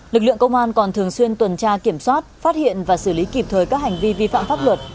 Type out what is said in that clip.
lực lượng công an còn thường xuyên tuần tra kiểm soát phát hiện và xử lý kịp thời các hành vi vi phạm pháp luật